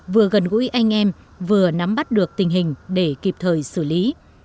vừa gần gũi anh em vừa nắm bắt được tình hình để kịp thời xử lý